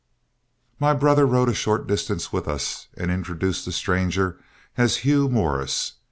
My brother rode a short distance with us and introduced the stranger as Hugh Morris.